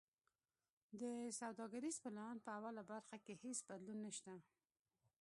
د سوداګریز پلان په اوله برخه کی هیڅ بدلون نشته.